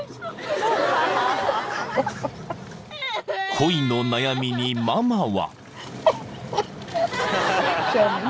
［恋の悩みにママは］